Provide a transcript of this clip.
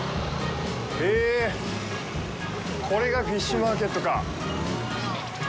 えぇ、これがフィッシュマーケットかぁ。